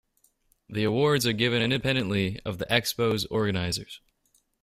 The awards are given independently of the Expo's organizers.